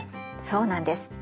そうなんです。